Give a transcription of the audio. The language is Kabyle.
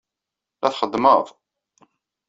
La txeddmeḍ?